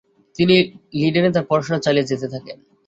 তিনি লিডেনে তার পড়াশোনাও চালিয়ে যেতে থাকেন।